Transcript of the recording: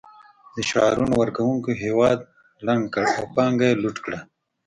د شعارونو ورکونکو هېواد ړنګ کړ او پانګه یې لوټ کړه